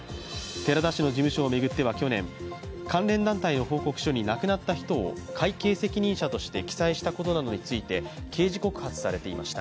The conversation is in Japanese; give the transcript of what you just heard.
寺田氏の事務所を巡っては去年関連団体の報告書に亡くなった人を会計責任者として記載したことなどについて刑事告発されていました。